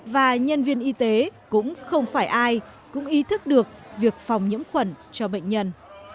và nhân viên y tế cũng không phải ai cũng ý thức được việc phòng nhiễm khuẩn cho bệnh nhân